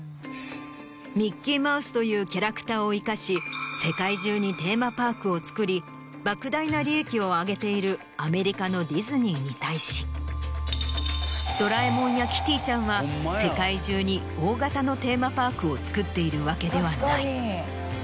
ミッキーマウスというキャラクターを生かし世界中にテーマパークを造り莫大な利益を上げているアメリカのディズニーに対しドラえもんやキティちゃんは世界中に大型のテーマパークを造っているわけではない。